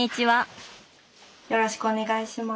よろしくお願いします。